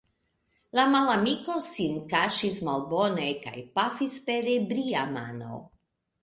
La malamiko sin kaŝis malbone, kaj pafis per ebria mano.